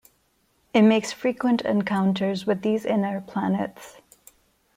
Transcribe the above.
It makes frequent encounters with these inner planets.